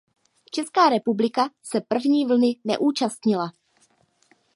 Česká republika se první vlny neúčastnila.